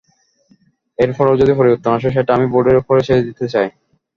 এরপরেও যদি পরিবর্তন আসে, সেটা আমি বোর্ডের ওপরই ছেড়ে দিতে চাই।